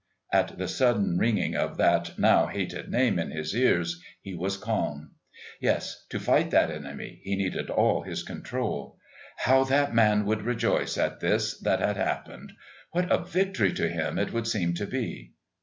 At the sudden ringing of that now hated name in his ears he was calm. Yes, to fight that enemy he needed all his control. How that man would rejoice at this that had happened! What a victory to him it would seem to be!